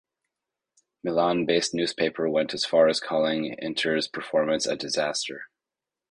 Milan-based newspaper went as far as calling Inter's performance a "disaster".